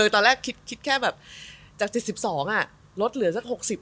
ตอนแรกคิดแค่แบบจากสิบสิบสองลดเหลือสักหกสิบ